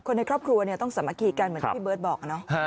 คนในครอบครัวต้องสมาธิกันเหมือนที่พี่เบิร์ดบอก